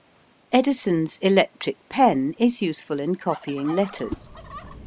Edison's electric pen is useful in copying letters.